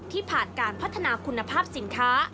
ผ่านการพัฒนาคุณภาพสินค้า